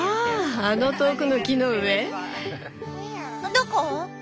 どこ？